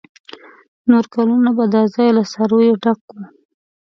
نور کلونه به دا ځای له څارویو ډک و.